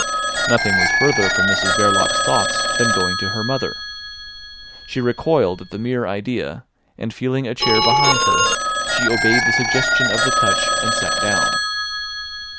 Nothing was further from Mrs Verloc's thoughts than going to her mother. She recoiled at the mere idea, and feeling a chair behind her, she obeyed the suggestion of the touch, and sat down.